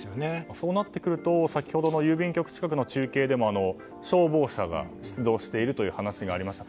そうなってくると先ほどの郵便局近くの中継でも消防車が出動している話がありました。